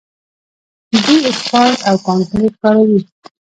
دوی اسفالټ او کانکریټ کاروي.